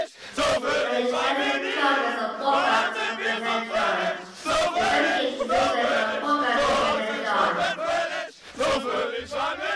The International Conference on Program Comprehension is dedicated to research on program comprehension.